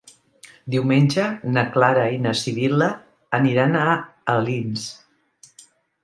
Diumenge na Clara i na Sibil·la aniran a Alins.